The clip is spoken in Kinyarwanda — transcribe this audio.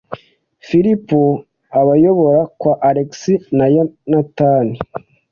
Filipo abayobora kwa Alex na Yonatani.